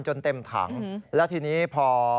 จนเต็มถังแล้วทีนี้พอ